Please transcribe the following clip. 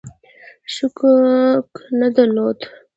شک نه درلود.